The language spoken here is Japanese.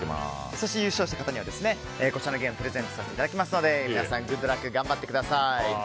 そして、優勝した方にはこちらのゲームをプレゼントいたしますので皆さん、グッドラック頑張ってください！